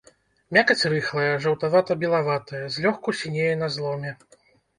Мякаць рыхлая, жаўтавата-белаватая, злёгку сінее на зломе.